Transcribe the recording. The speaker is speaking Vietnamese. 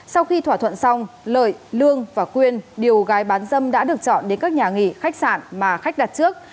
sau khi thỏa thuận xong lợi lương và quyên điều gái bán dâm đã được chọn đến các nhà nghỉ khách sạn mà khách đặt trước